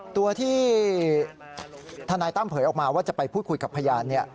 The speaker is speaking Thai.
ตัวที่ทนายตั้มเผยออกมาว่าจะไปพูดคุยกับพยาน